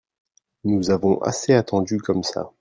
Nous avons assez attendu comme ça.